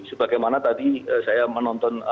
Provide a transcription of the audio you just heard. sebagaimana tadi saya menonton